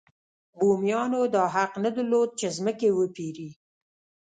بومیانو دا حق نه درلود چې ځمکې وپېري.